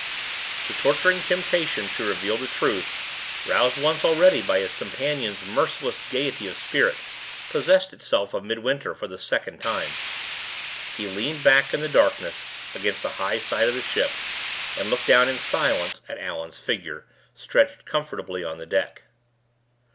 The torturing temptation to reveal the truth, roused once already by his companion's merciless gayety of spirit, possessed itself of Midwinter for the second time. He leaned back in the dark against the high side of the ship, and looked down in silence at Allan's figure, stretched comfortably on the deck.